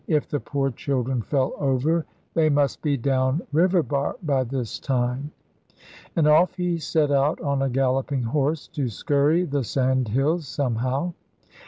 If the poor children fell over, they must be down river bar by this time.' And off he set out on a galloping horse, to scurry the sandhills somehow.